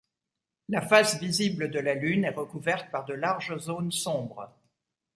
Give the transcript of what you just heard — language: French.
La face visible de la Lune est recouverte par de larges zones sombres.